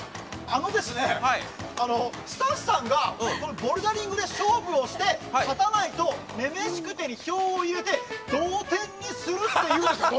スタッフさんがボルダリングで勝負をして勝たないと「女々しくて」に票を入れて同点にするっていうこら！